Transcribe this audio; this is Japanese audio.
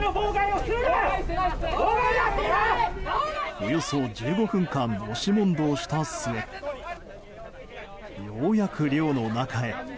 およそ１５分間押し問答した末ようやく寮の中へ。